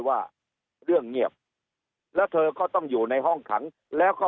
ว่าเรื่องเงียบแล้วเธอก็ต้องอยู่ในห้องขังแล้วก็